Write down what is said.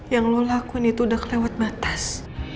yang lo lakuin itu udah kelewat batas